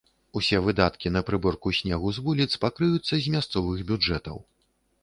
Усе выдаткі на прыборку снегу з вуліц пакрыюцца з мясцовых бюджэтаў.